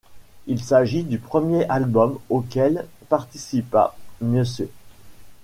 Il s'agit du premier album auquel participa Mr.